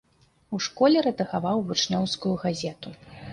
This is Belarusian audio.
У школе рэдагаваў вучнёўскую газету.